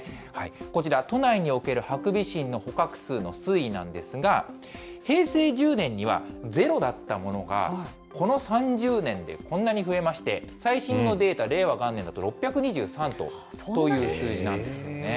こちら、都内におけるハクビシンの捕獲数の推移なんですが、平成１０年には、ゼロだったものが、この３０年でこんなに増えまして、最新のデータ、令和元年だと、６２３頭という数字なんですよね。